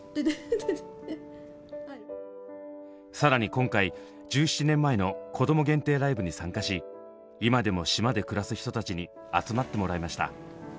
更に今回１７年前の子ども限定ライブに参加し今でも島で暮らす人たちに集まってもらいました。